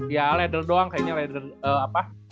ya ladder doang kayaknya